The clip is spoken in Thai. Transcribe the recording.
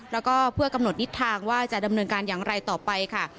แล้วก็เพื่อกำหนดทิศทางว่าจะดำเนินการอย่างไรต่อไปค่ะ